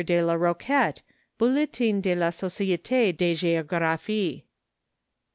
de la Ko QUETTE, Bulletin de la Societe de Geographie.